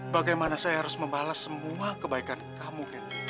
bagaimana saya harus membalas semua kebaikan kamu